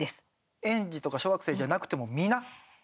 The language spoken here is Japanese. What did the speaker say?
園児とか小学生じゃなくても皆、大人も？